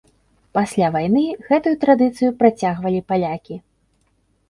Пасля вайны гэтую традыцыю працягвалі палякі.